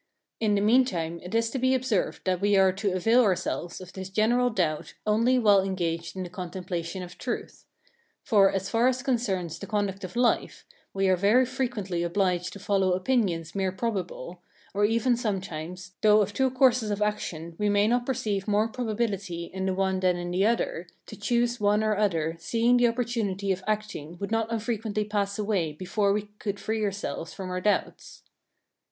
In the meantime, it is to be observed that we are to avail ourselves of this general doubt only while engaged in the contemplation of truth. For, as far as concerns the conduct of life, we are very frequently obliged to follow opinions merely probable, or even sometimes, though of two courses of action we may not perceive more probability in the one than in the other, to choose one or other, seeing the opportunity of acting would not unfrequently pass away before we could free ourselves from our doubts.